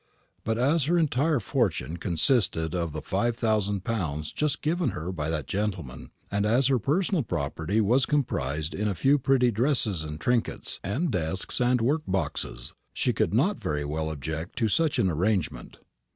But as her entire fortune consisted of the five thousand pounds just given her by that gentleman, and as her personal property was comprised in a few pretty dresses and trinkets, and desks and workboxes, she could not very well object to such an arrangement.